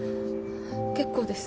結構です。